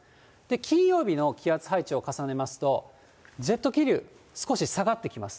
金曜日の気圧配置を重ねますと、ジェット気流、少し下がってきます。